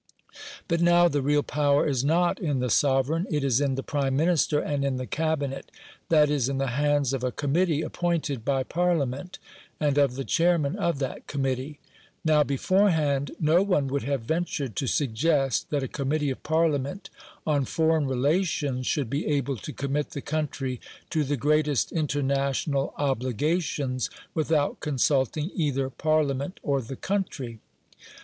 But now the real power is not in the Sovereign, it is in the Prime Minister and in the Cabinet that is, in the hands of a committee appointed by Parliament, and of the chairman of that committee. Now, beforehand, no one would have ventured to suggest that a committee of Parliament on foreign relations should be able to commit the country to the greatest international obligations without consulting either Parliament or the country.